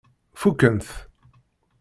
Fuken-t.